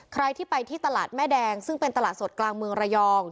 ใครที่ไปที่ตลาดแม่แดงซึ่งเป็นตลาดสดกลางเมืองระยอง